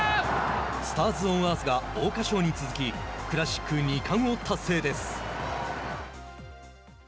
スターズオンアースが桜花賞に続きクラシック２冠を達成です。